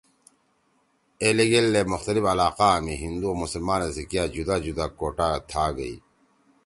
اے لِگیل دے مختلف علاقآ می ہندُو او مسلمانآ سی کیا جدا جدا کوٹہ (Quota) تھا گئی